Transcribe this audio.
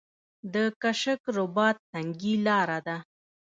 د کشک رباط سنګي لاره ده